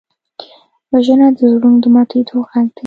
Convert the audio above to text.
وژنه د زړونو د ماتېدو غږ دی